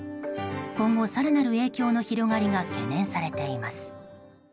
今後、更なる影響の広がりが懸念されています。